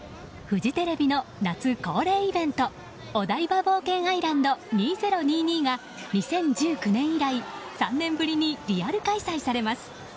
フジテレビの夏恒例イベントオダイバ冒険アイランド２０２２が２０１９年以来３年ぶりにリアル開催されます。